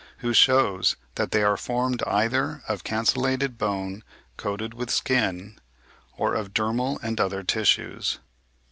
who shews that they are formed either of cancellated bone coated with skin, or of dermal and other tissues.